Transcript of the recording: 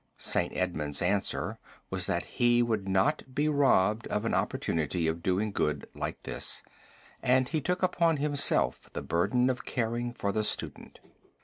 St. Edmund's answer was that he would not be robbed of an opportunity of doing good like this, and he took upon himself the burden of caring for the student.